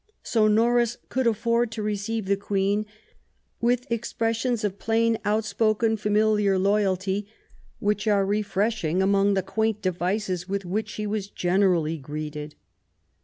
So Norris could afford to receive the Queen with expressions of plain out spoken familiar loyalty, which are refreshing among the quaint devices with which she was generally greeted.